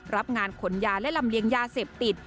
รับงานขนยาและลำเลียงยาเสพติด